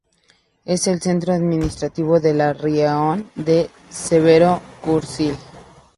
Es el centro administrativo del raión de Severo-Kurilsk.